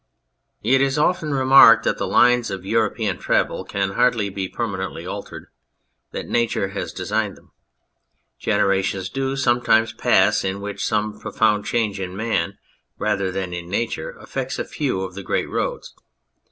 It is often remarked that the lines of European travel can hardly be permanently altered, that Nature has designed them. Generations do sometimes pass in which some profound change in man rather than in Nature affects a few of the great roads.